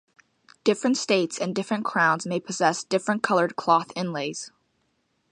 Different states and different crowns may possess different coloured cloth inlays.